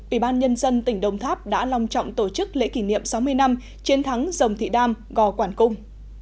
ủy ban nhân dân tỉnh đồng tháp đã lòng trọng tổ chức lễ kỷ niệm sáu mươi năm chiến thắng dòng thị đam gò quản cung